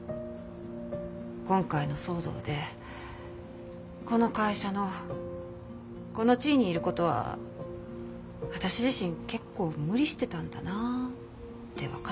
今回の騒動でこの会社のこの地位にいることは私自身結構無理してたんだなって分かってね。